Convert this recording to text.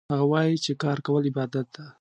هغه وایي چې کار کول عبادت ده